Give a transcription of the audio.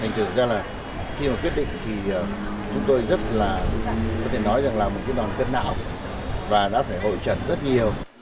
thành thực ra là khi mà quyết định thì chúng tôi rất là có thể nói rằng là một cái đoàn kết não và đã phải hội trần rất nhiều